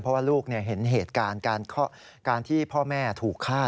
เพราะว่าลูกเห็นเหตุการณ์การที่พ่อแม่ถูกฆ่า